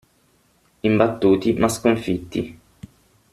Imbattuti, ma sconfitti.